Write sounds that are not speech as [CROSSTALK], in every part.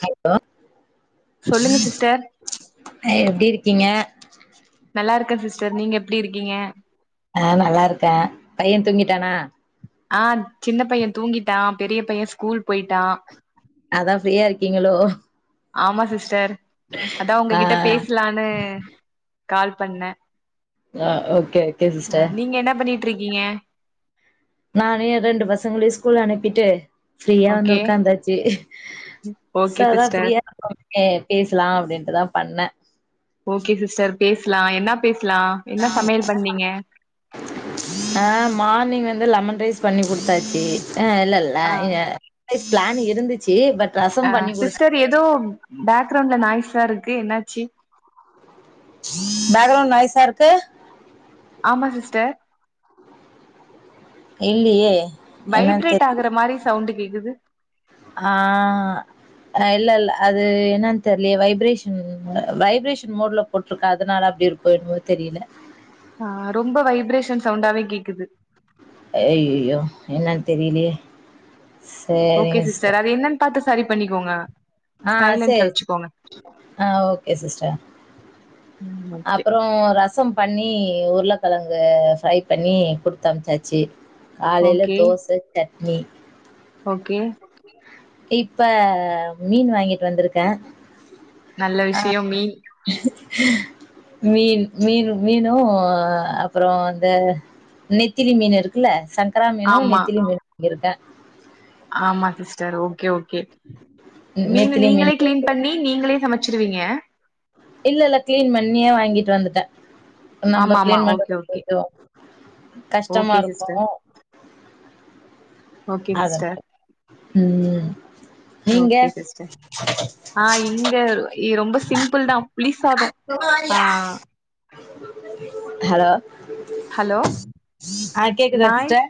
Hi [UNINTELLIGIBLE] சொல்லுங்க sister அ எப்டி இருக்கீங்க நல்லாருக்கே சிஸ்டர் நீங்க எப்டி இருக்கீங்க ஆ நல்லாருக்கே பைய தூங்கிட்டானா ஆ சின்ன பைய தூங்கிட்டா பெரிய பைய ஸ்கூல் போய்ட்டா அதா ஃப்ரீயா இருக்கீங்களோ ஆமா சிஸ்டர் அதா ஆ உங்ககிட்ட பேஸ்லானு கால் பண்ணே ஆ ஓகே ஓகே அ சிஸ்டர் நீங்க என்ன பண்ணீட்ருக்கீங்க நானு எ ரெண்டு பசங்களயு ஸ்கூல் அனுப்பிட்டு ஃப்ரீயா வந்து ஓகே உக்காந்தாச்சு சோ ஓகே அதா சிஸ்டர் ஃப்ரீயா இருக்கோ கே பேசலா அப்டின்ட்டுதா பண்ணே ஓகே சிஸ்டர் பேஸ்லா என்னா பேஸ்லா என்ன சமையல் பண்ணீங்க ஆ மார்னிங் வந்து லெமன் ரைஸ் பண்ணி குடுத்தாச்சி ஆ இல்லல் ல ஆ இங்க பிளான் இருந்துச்சு பட் அ ரசம் பண்ணி குடுத் சிஸ்டர் எதோ பேக்ரவுண்ட்ல நாய்ஸா இருக்கு என்னாச்சி பேக்ரவுண்ட் நாய்ஸா இருக்கு ஆமா சிஸ்டர் இல்லியே என்னன் தெர் வைப்ரேட் ஆகற மாரி சவுண்டு கேக்குது ஆ அ இல்ல இல்ல அது என்னன் தெர்லியே வைப்ரேஷன் வைப்ரேஷன் மோட்ல போட்ருக்க அதுனால அப்டி இருக்கோ என்வோ தெரியல. ஆ ரொம்ப வைப்ரேஷன் சவுண்டாவே கேக்குது. ஐயோ என்னன் தெரிலியே. ஓகே சிஸ்டர் அது என்னன் பாத்து சரி பண்ணிக்கோங்க. ஆ சைலன்ட்ல சேரி வச்சுக்கோங்க சி ஆ ஓகே சிஸ்ட. ம் ஓகே அப்புறோ ரசம் பண்ணி உருளக்கெழங்கு ஃப்ரை பண்ணி குடுத்தம்ச்சாச்சி. காலைல ஓகே தோச சட்னி. ஓகே. இப்ப மீன் வாங்கிட்டு வந்திருக்கே. நல்ல விஷ்யம் மீ மீன் மீன் மீனு அ அப்புறோ அந்த நெத்திலி மீன் இருக்குல்ல சங்கரா மீனு ஆமா நெத்திலி மீனு [INAUDIBLE] கிருக்கே. ஆமா சிஸ்டர் ஓகே ஓகே. மீனு நெத்திலி மீன் நீங்களே கிளீன் பண்ணி நீங்களே சமச்சிருவீங்க. இல்ல இல்ல கிளீன் பண்ணியே வாங்கிட்டு வந்துட்டே. ஆமா நம்ப ஆமா கிளீன் ஓகே பண்றது ஓகே கொஞ்சோ ஓகே கஷ்டமாருக்கு. Sister okay sister. ம் நீங்க ஒகே சிஸ்டர் ஆ இங்கவ் இ ரொம்போ சிம்பிள்தா புளிசாதோ ஆ. ஹலோ? ஹலோ ஆ கேக்குதா சிஸ்ட? நாய்ஸ்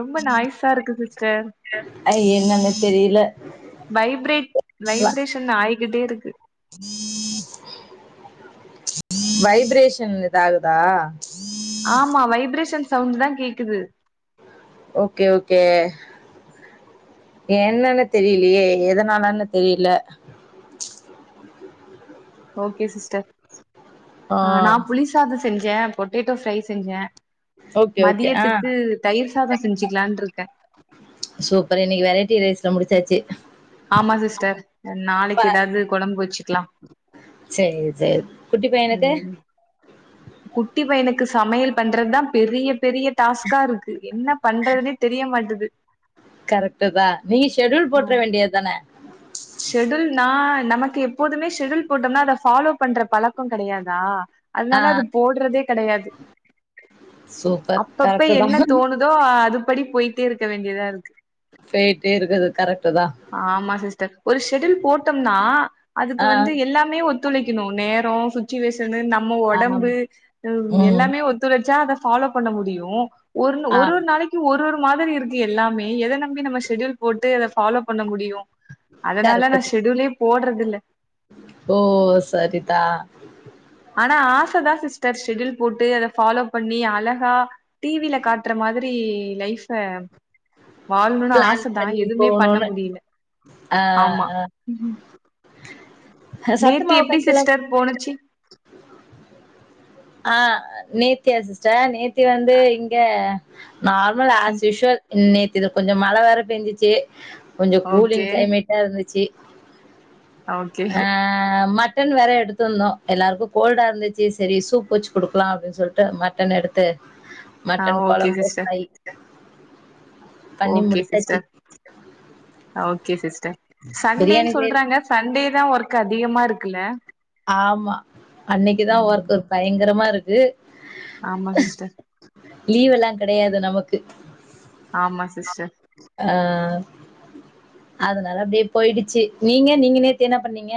ரொம்ப நாய்ஸா இருக்கு சிஸ்டர் அய் என்னன்னு தெரியில. Vibrate vibration ஆயிகிட்டேருக்கு. வைப்ரேஷன்ல இது ஆகுதா? ஆமா வைப்ரேஷன் சவுண்ட்டு தா கேக்குது. Okay okay. என்னன்னு தெரியிலையே எதனாலன்னு தெரில. ஓகே சிஸ்டர் ஆ நா புளிசாதோ செஞ்சே பொட்டேட்டோ ஃப்ரை செஞ்சே. ஓகே ஓகே ஆ மதியத்துக்கு தயிர் சாதோ செஞ்சிக்கலான்ருக்கே. சூப்பர் இன்னிக்கு வெரைட்டி ரைஸ்ல முடிச்சாச்சி. ஆமா சிஸ்டர் அ நாளைக்கி எதாவது கொழம்பு வெச்சுக்லா. சே சேர் குட்டி பையனுக்கு? ம் குட்டி பையனுக்கு சமையல் பண்றத்தா பெரியப் பெரிய டாஸ்கா இருக்கு என்ன பண்றதுன்னே தெரிய மாட்டுது. கரெக்ட்டு தா நீங்க ஷெட்யூல் போட்ற வேண்டியத் தான. ஷெட்யூல் நா நமக்கு எப்போதுமே ஷெட்யூல் போட்டம்னா அத ஃபாலோ பண்ற பழக் கோ கெடையாதா ஆ அதுனால அது போட்றதே கெடையாது. சூப்பர் அப்பப்ப கரெக்டு என்ன தான் தோணுதோ அ அதுபடி போயிட்டே இருக்க வேண்டியதாருக்கு. போயிட்டே இருக்கது கரெக்ட்டு தா. ஆமா சிஸ்டர். ஒரு ஷெட்யூல் போட்டம்ன்னா அதுக்கு ஆ வந்து எல்லாமே ஒத் துழைக்கணு நேரோ சுச்சுவேஷனு நம்ம ஆம் ஒடம்பு இம் ம் எல்லாமே ஒ த்துழச்சா அத ஃபாலோ பண்ண முடியு ஒருன்னு ஆ ஒரு ஒரு நாளை க்கு ஒரு ஒரு மாதிரி இருக்கு எல்லாமே எத நம்பி நம்ம ஷெட்யூல் போட்டு அத ஃபாலோ பண்ண முடியு. அதனால கரெக்டு நா தான் ஷெட்யூலே போட்றது இல்ல. ஓ சரி தா. ஆனா ஆச தா சிஸ்டர் ஷெடுல் போட்டு அத ஃபாலோ பண்ணி அழகா டி வி ல காட்ற மாதி தி லைஃப்ப வாழ்ணுனு பிளான் ஆச தா பண்ணி எதுவுமே பண்ண போகணும்னு முடியல ஆ, ஆமா ஆ. சத்து நேத்தி மாவு எப்டி கஞ்செல்லாம் சிஸ்டர் போணுச்சி ஆ நேத்தியா சிஸ்டர் நேத்தி வந்து இங்க நார்மல் அஸ் ம் யூஸ்வல் நேத்தி இது கொஞ்சம் மழ வேற பெஞ்சிச்சி கொஞ்சோ கூலிங் ஓகே க்ளைமேட் ஆ இருந்துச்சி ஓகே அ மத் டன் வேற எடுத்திருந்தோ எல்லாருக்கு கோல்டா இருந்தச்சி சரி சூப் வச்சி குடுக்லா அப்டின்னு சொல்ட்டு மட்டன் எடுத்து ஆ மட்டன் ஓகே கொழம்பு சிஸ்டர் ஃப்ரை பண்ணி ஓகே முடிச்சாச்சு சிஸ்டர் ஓகே சிஸ்டர் பிரியாணி சண்டேன் செய்யல சொல்றாங்க சண்டே தா ஒர்க் அதிகமா இருக்குல்ல ஆமா அன்னைக்குதா ம் ஒர்க் ஒரு பயங்கரமா இருக்கு ஆமா சிஸ்டர் லீவ் எல்லா கெடையாது நமக்கு ஆமா சிஸ்டர் அ அதனால அப்டியே போயிடுச்சி நீங்க நீங்க நேத்து என்ன பண்ணீங்க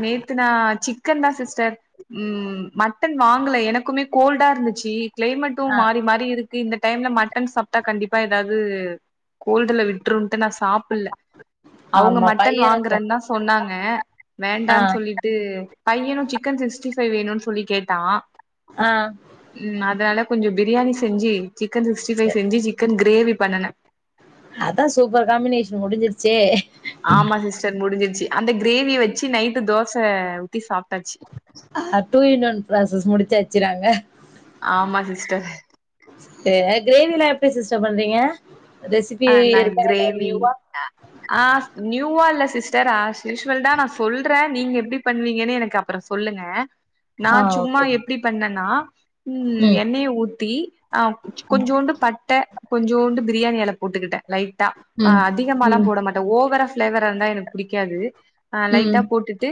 நேத்து நா சிக்கன் தா சிஸ்டர் ம் மட்டன் வாங்கல எனக்குமே கோல்டா இருந்துச்சி கிளைமேட்டு ஆஹ் மாறி மாறி இருக் தி இந்த டைம்ல மட்டன் சாப்ட்டா கண்டிப்பா ஏதாவது கோல்டுல விட்ருன்ட்டு நா சாப்பிட்ல அவங்க ஆமா மட்டன் பையனுக்கும் வாங்குறன் தா சொன்னாங்க வேண்டான் ஆஹ் சொல்லி ம் பையனு சிக்கன் சிக்ஸ்டி பைவ் வேணுன் சொல்லி கேட்டா ஆ ம் அதனால கொஞ்சோ பிரியாணி செஞ்சி சிக்கன் சிக்ஸ்டி ஃபைவ் செஞ்சி சிக்கன் கிரேவி பண்ணுன அதா சூப்பர் காம்பினேஷன் முடிஞ்சிருச்சே ஆமா சிஸ்டர் முடிஞ்சிருச்சி அந்த கிரேவிய வச்சி நைட்டு தோச ஊத்தி சாப்ட்டாச்சி ஆ டூ இன் ஒன் ப்ராசஸ் முடிச்சாச்சி நாங்க ஆமா சிஸ்டர் இந்த கிரேவில்லா எப்டி சிஸ்டர் பண்றீங்க ரெசிபி இருக்கா ஏதாவது நியூவா அ ஆ நியூவா இல்ல சிஸ்டர் அஸ் யூஷ்வல் தா நா சொல்ற நீங்க எப்டி பண்ணுவீங்கன்னு எனக்கு அப்புறோ சொல்லுங்க நா ஆ சும்மா ஓகே. எப்டி பண்ணன்னா ம் எண்ணெயை ஊத்தி ஆ கொஞ்சோண்டு பட்ட கொஞ்சோண்டு பிரியாணி எல போட்டுக்கிட்ட லைட்டா ஆ ம். அதிகமாலா ம். போட மாட்ட ஓவரா ஃப்ளேவரா இருந்தா எனக்கு புடிக்காது ஆ லைட்டா ம். போட்டுட்டு்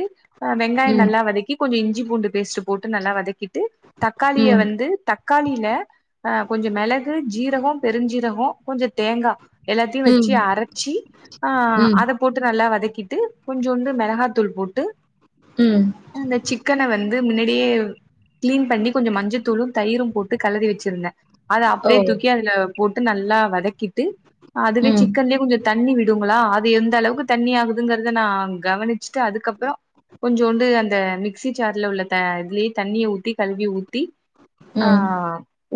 வெங்காயோ ம். நல்லா வதக்கி கொஞ்சோ இஞ்சி பூண்டு பேஸ்ட்டு போட்டு நல்லா வதக்கிட்டு தக்காளிய ம். வந்து தக்காளில அ கொஞ்சோ மெளகு ஜீரகோ பெருஞ்சீரகோ கொஞ்சோ தேங்கா எல்லாத்தையு ம். வச்சி அரச்சி ஆ ம். அத போட்டு நல்லா வதக்கிட்டு கொஞ்சோண்டு மிளகாத்தூள் போட்டு ம். அந்த சிக்கன வந் து மின்னாடியே க்ளீன் பண்ணி கொஞ்சம் மஞ்சத்தூளும் தயிரும் போட்டு கலரி வச்சிருந்த அத ஓ! அப்படியே தூக்கி அதுல போட்டு நல்லா வதக்கிட்டு அதுவே ம். சிக்கன்லயே கொஞ்சோ தண்ணி விடுங்களா அது எந்த அளவுக்கு தண்ணி ஆகுதுங்கறத நா கவனிச்சிட்டு அதுக்கப்றோ கொஞ்சோண்டு அந்த மிக்சி ஜார்ல உள்ள த இதுலயே தண்ணிய ஊத்தி கழுவி ஊத்தி ஆ ம்.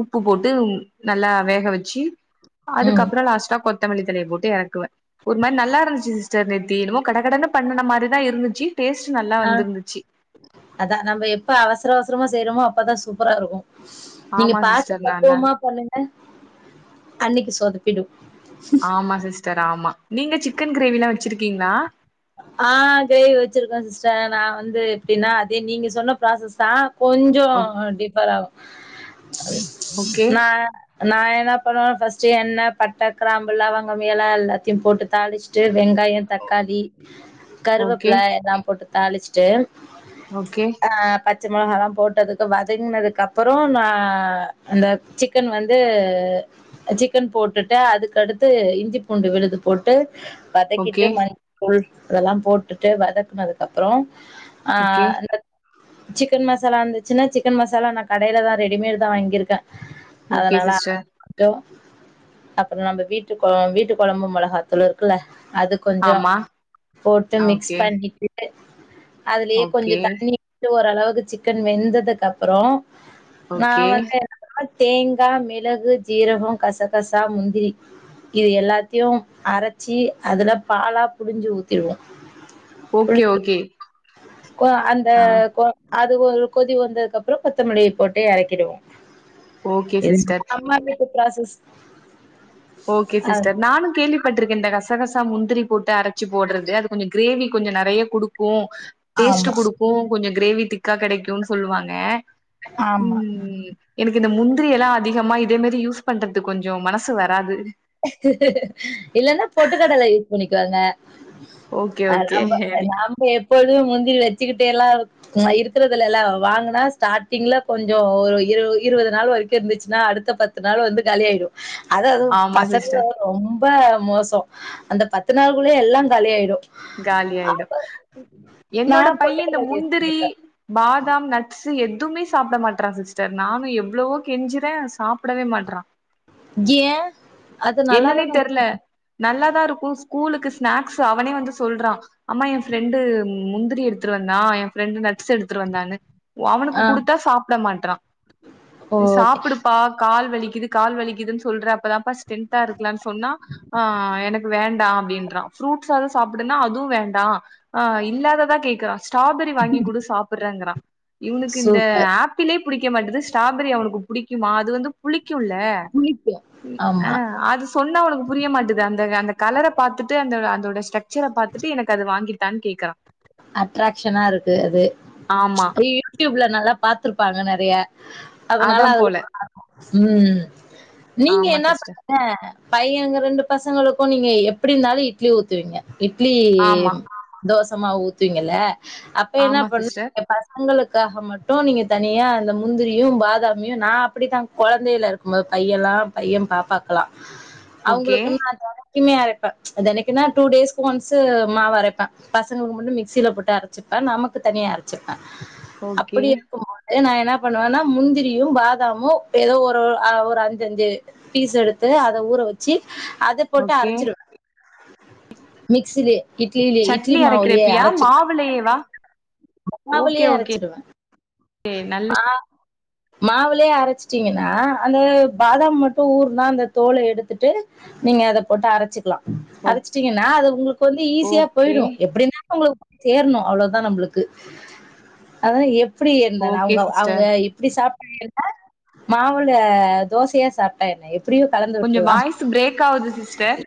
உப்பு போட்டு நல்லா வேக வச்சு ம். அதுக்கப்பறோ லாஸ்ட்டா கொத்தமல்லி தழைய போட்டு எறக்குவே ஒரு மாரி நல்லா இருந்துச்சு சிஸ் ஸ்டர் நேத்தி என்னமோ கட கடன்னு பண்ணுன மாரிதா இருந்துச்சு டேஸ்ட் நல்லா வந்திருந்துச்சு அதா நம்ம எப்ப அவசர அவசரமா செய்யறோமோ அப்பதா சூப்பரா இருக்கு நீங்க ஆமா பாத்து சிஸ்டர் நல்லா பக்குவமா பண்ணுங் க அன்னைக்கு சொதப்பிடு ஆமா சிஸ்டர் ஆமா நீங்க சிக்கன் கிரேவிலா வச்சிருக்கீங்ளா ஆ கிரேவி வச்சிருக்கோ சிஸ்டர் நா வந்து எப்டின்னா அதே நீங்க சொன்ன ப்ராசஸ்தா கொஞ்சொ ஓ டிஃபராவு ஓகே நா நா என்ன பண்ணுவே ஃபஸ்ட் எண்ணெ பட்ட கிராம்பு லவங்கம் ஏல எல்லாத்தையு போட்டு தாளிச்சுட்டு வெங்காயொ தக்காளி ஓகே கருவேப்புல எல்லா போட்டு தாளிச்சுட்டு ஓகே ஆ பச்ச மொளகால்லா போட்டு அதுக்கு வதங்கினதுக்கு அப்பறோ நா அந்த சிக் கன் வந்து சிக்கன் போட்டுட்டு அதுக்கடுத்து இஞ்சி பூண்டு விழுது போட்டு வதக்கிட்டு ஓகே மஞ்ச தூள் இதெல்லா போட்டுட்டு வதக்குனதுக்கப்றோ ஆ ஓகே அந்த சிக்கன் மசாலா இருந்துச்சுன்னா சிக்கன் மசாலா நா கடைலதா ரெடிமேட்தா வாங்கியிருக்கே ஓகே அதனால சிஸ்டர் டோ அப்பறோ நம்ம வீட்டு கொழ வீட்டு கொழம்பு மொளகாத்தூள் இருக்குல்ல அதுக் ஆமா போட்டு ஆ மிக்ஸ் ஓகே பண்ணிக்ட்டு அதுலயே கொஞ்சொ ஓகே தண்ணி ந்து ஓரளவுக்கு சிக்கன் வெந்ததுக்கப்புறோ நா ஓகே வந்து அப்றமா தேங்கா மிளகு ஜீரகோ கசகசா முந்திரி இது எல்லாத்தையு அரச்சு அதுல பாலா புளிஞ்சு ஊத்திருவோ ஓகே ஓகே கொ அந்த ஆ கொ அது ஒரு கொதி வந்ததுக்கப்றோ கொத்தமல்லிய போட்டு எறக்கிடுவோ ஓகே சிஸ்டர் அம்மா வீட்டு ப்ராசஸ் ஓகே அ சிஸ்டர் நானு கேள்வி பட்ருக்கே இந்த கசகசா முந்திரி போட்டு அரச்சு போடுறது அது கொஞ்சொ கிரேவி கொஞ்சொ நெறைய குடுக்கு டேஸ்ட்டு ஆமா குடுக்கு கொஞ்சொ கிரேவி திக்கா கெடைக்குன் சொல்வாங்க ஆமா ம் எனக்கு இந்த முந்திரி எல்லா அதிகமா இதே மாரி யூஸ் பண்றது கொஞ்சொ மனசு வர ராது இல்லன்னா பொட்டுக்கடல யூஸ் பண்ணிக்கோங்க ஓகே அ ஓகே நம்ப நாம்ப எப்பொழுதும முந்திரி வச்சுக்கிட்டேலா இருக் அ இருக்கறது இல்லல வாங்கனா ஸ்டார்ட்டிங்ல கொஞ்சோ ஒரு இரு இருவது நாள் வரைக்கு இருந்துச்சுன்னா அடுத்த பத் து நாளு வந்து காலியாயிரு அதா அது அதுவு ஆமா பசங்க சிஸ்டர் ரொம்ப மோசோ அந்த பத்து நாளுக்குள்ளேயே எல்லா காலி ஆயிரு காலி ஆயிடு நா என்னோட பைய இந்த பொட்டுக்கடல யூஸ் முந்திரி பண்ணிப்பே பாதாம் நட்ஸு எதுவுமே சாப்ட மாட்றா சிஸ்டர் நானு எவ்ளவோ கெஞ்சுறே சாப்டவே மாட்றா ஏ அது என்னனே நல்லாதான தெர்ல நல்லாதா இருக்கு ஸ்கூலுக்கு ஸ்நாக்ஸ் அவனே வந்து சொல்றா அம்மா எ ஃப்ரெண்டு முந்திரி எடுத்துட்டு வந்தா எ ஃப்ரெண்டு நட்ஸ் எடுத்துட்டு வந்தானு ஒ அவனுக்கு ஆ குடுத்தா சாப்ட மாட்றா இது ஓகே. சாப்புடுப்பா கால் வலிக்குது கால் வலிக்குதுன் சொல்ற அப்ப தாப்பா ஸ்ட்ரேன்தா இருக்கலான் சொன்னா அ அ எனக்கு வேண்டா அப்டின்றா ஃப்ரூட்ஸ் ஆது சாப்புடுன்னா அதுவு வேண்டா அ இல்லாததா கேக்குறா ஸ்ட்ராபெரி வாங்கி குட சாப்படுறங்கறா இவனுக்கு இந்த சூப்பர். ஆப் பிலே புடிக்க மாட்டுது ஸ்ட்ராபெரி அவனுக்கு புடிக்குமா அது வந்து புளிக்குல்ல புளிக்கும். அ ஆமா. அது சொன்னா அவனுக்கு புரிய மாட்டுது அந்த அந்த கலர பாத்துட்டு அந்த அதோட ஸ்டக் ச்சர பாத்துட்டு எனக்கு அது வாங்கித்தானு கேக்கறா அட்ராக்ஷனா இருக்கு அது ஆமா யூடியூப்ல நல்லா பாத்துருப்பாங்க நறைய அதனால அதா அதுல போல [INAUDIBLE] ம் நீங்க ஆமா என்னா [INAUDIBLE] சிஸ்டர் இப்ப பையனுங்க ரெண்டு பசங்களுக்கு நீங்க எப்படி இருந்தாலு இப் இட்லி ஊத்துவீங்க இட்லி ஆமா தோசமாவு ஊத்துவீங்கல்ல அப் அப்ப என்னா ஆமா பண்ணு சிஸ்டர் [INAUDIBLE] உங்களுக்காக மட்டு நீங்க தனியா அந்த முந்திரியு பாதாமயு நா அப்படித்தா கொழந்தைல இருக்கும்போது பையல்லா பைய பாப்பாக்குலா ஓகே அவங்களுக்கு [INAUDIBLE] குமே அரைப்ப தெனைக்குன்னா டூ டேஸ்க்கு ஒன்சு மாவு அரைப்ப பசங்களுக்கு மட்டு மி க்சீல போட்டு அரச்சிப்ப நமக்கு தனியா அரச்சிப்ப ஓகே அப்படி இருக்கும்போது அதே நா என்ன பண்ணுவேன்னா முந்திரியு பாதாமு எதோ ஒரு ஒரு அ அஞ்சுஞ்சு பீஸ் எடுத்து அத ஊற வச்சி அது போட்டே ஓகே அரச்சிருவ மிக்ஸிலே இட்லிலே இட்லி மாவுலயே அர மாவுளேவா ஓகே மாவுலயே ஓகே [INAUDIBLE] அ மாவுலே அரச்சிட்டீங்கன்னா அந்த பாதாம் மட்டு ஊருனா அந்த தோல எடுத்துட்டு நீங்க அத போட்டு அரச்சிக்கலா ஓ- அச்சுட்டீங்கன்னா அது உங்களுக்கு வந்து ஈஸியா ஓகே போயிடு எப்படின்னா உங்களுக்கு தேர்னு அவ்ளோதா நம்பளுக்கு அதா எப்படி இருந்த நா ஓகே அவுங்க அவுங்க சிஸ்டர் இப் இப்படி [INAUDIBLE] மாவுள தோசையா சாப்ட்டா என்ன எப்படியு கொஞ்சோ வாய்ஸ் பிரேக் ஆவுது சிஸ்டர்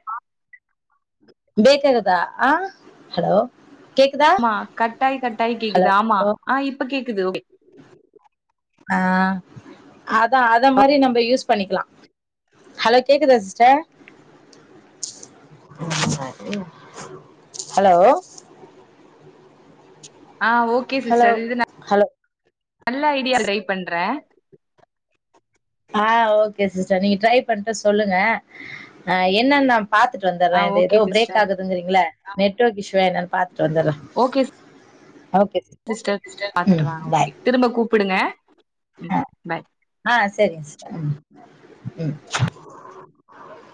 பேக்கறதா அ ஹலோ கேக்குதா ம்மா கட்டாய் கட்டாய் ஹலோ கேக்குது ஆமா ஆ இப்ப கேக்குது [INAUDIBLE] அ அதா அத மாரி நம்ப யூஸ் பண்ணிக்கலா ஹலோ கேக்குதா சிஸ்டர் ஹலோ ஆ ஓகே ஹலோ சிஸ்டர் இது நா ஹலோ நல்ல ஐடியா ட்ரை பண்ற ஆ ஓகே சிஸ்டர் நீங்க ட்ரை பண்ட்டு சொல்லுங்க அ என்னன்ன பாத்துட்டு வந்துற ஆ இது ஓகே எதோ பிரேக் சிஸ்டர் ஆகுதுங்கி றீங்ள நெட்ஒர்க் இஷ்யுவா என்னன் பாத்ட்டு வந்துற ஓகே ஓகே சிஸ்டர் பாத்துட்டு ம் வாங்க ஓகே பாய் திரும்ப கூப்புடுங்க ம் பை ஆ செரிங் [INAUDIBLE] ம்